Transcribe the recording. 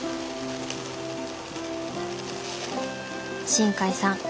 新海さん